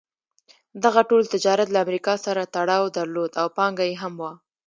دغه ټول تجارت له امریکا سره تړاو درلود او پانګه یې هم وه.